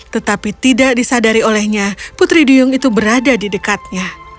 tetapi tidak disadari olehnya putri duyung itu berada di dekatnya